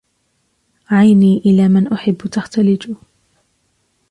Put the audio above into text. عيني إلى من أحب تختلج